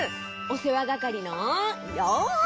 おせわがかりのようせい！